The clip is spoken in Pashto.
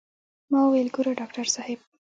ما وويل ګوره ډاکتر صاحب.